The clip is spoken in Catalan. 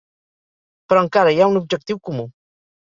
Però encara hi ha un objectiu comú.